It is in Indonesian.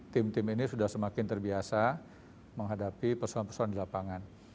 tim tim ini sudah semakin terbiasa menghadapi persoalan persoalan di lapangan